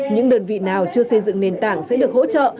những đơn vị nào chưa xây dựng nền tảng sẽ được hỗ trợ